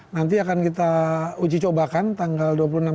nanti akan kita uji cobakan tanggal dua puluh enam